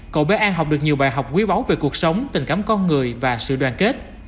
cậu bé an học được nhiều bài học quý báu về cuộc sống tình cảm con người và sự đoàn kết